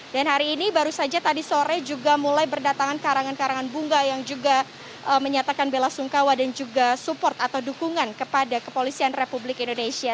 dan hari ini baru saja tadi sore juga mulai berdatangan karangan karangan bunga yang juga menyatakan bela sungkawa dan juga support atau dukungan kepada kepolisian republik indonesia